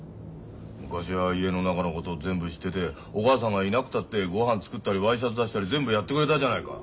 昔は家の中のこと全部知っててお母さんがいなくたってごはん作ったりワイシャツ出したり全部やってくれたじゃないか。